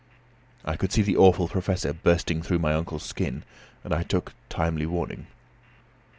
I could see the awful Professor bursting through my uncle's skin, and I took timely warning.